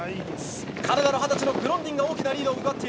カナダの二十歳のグロンディンが大きなリード。